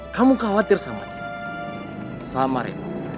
kamu khawatir sama dia sama rima